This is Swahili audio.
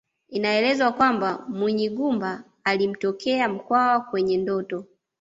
Inaelezwa kwamba Munyigumba alimtokea Mkwawa kwenye ndoto